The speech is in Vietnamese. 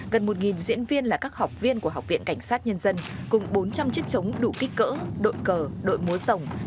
gần một diễn viên là các học viên của học viện cảnh sát nhân dân cùng bốn trăm linh chiếc chống đủ kích cỡ đội cờ đội múa rồng